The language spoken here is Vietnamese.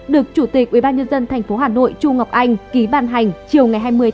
được chủ tịch ubnd thành phố hà nội chu ngọc anh ký ban hành chiều hai mươi một mươi